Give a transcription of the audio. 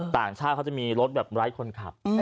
ต่างชาติเขาจะมีรถแบบไร้คนขับ